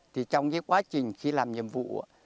thì trong cái quá trình khi làm nhiệm vụ